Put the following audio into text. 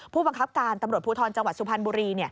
ผู้บังคับการตำรวจภูทรจังหวัดสุพรรณบุรี